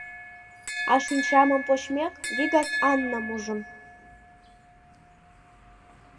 А шинчамым почмек, вигак Аннам ужым.